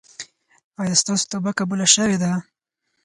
ایا ستاسو توبه قبوله شوې ده؟